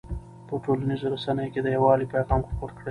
په ټولنیزو رسنیو کې د یووالي پیغام خپور کړئ.